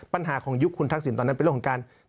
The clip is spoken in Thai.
ปัญหาของยุคคุณทักษิณตอนนั้นเป็นเรื่องของการ